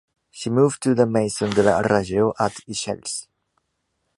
She moved to the Maison de la Radio, at Ixelles.